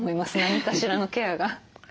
何かしらのケアが。